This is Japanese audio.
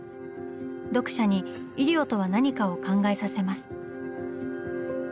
読者に医療とは何かを考えさせます。